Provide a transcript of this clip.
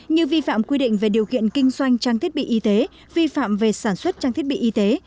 như vi phạm quy định về điều kiện kinh doanh trang thiết bị y tế vi phạm về sản xuất trang thiết bị y tế